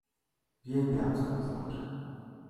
"Wiem ja, co to znaczy!"